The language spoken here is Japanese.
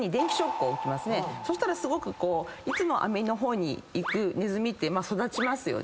そしたらいつもアメの方に行くネズミって育ちますよね。